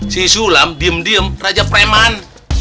si sulam diem diem raja preman